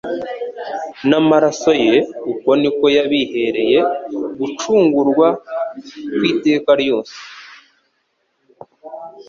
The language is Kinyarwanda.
n'amaraso ye. Uko niko yahlbereye gucungurwa kw'iteka ryose.